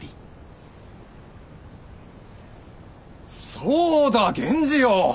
そうだ源氏よ。